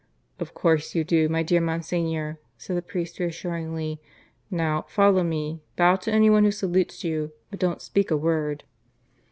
"Of course you do, my dear Monsignor," said the priest reassuringly. "Now follow me: bow to any one who salutes you; but don't speak a word."